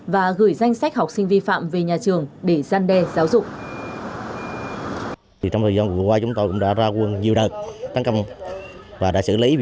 và gửi danh sách học sinh vi phạm về nhà trường để gian đe giáo dục